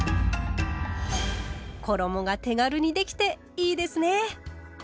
衣が手軽にできていいですね！